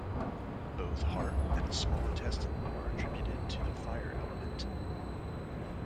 Both Heart and Small Intestine are attributed to the Fire element.